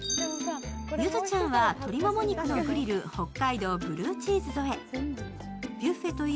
ゆずちゃんは鳥もも肉のグリル北海道ブルーチーズ添え。